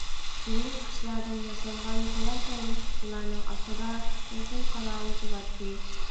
گۈللۈك خىشلاردىن ياسالغان پەلەمپەيلىك سۇپىلارنىڭ ئاستىدا بىردىن قاراۋۇل تۇراتتى.